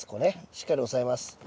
しっかり押さえます。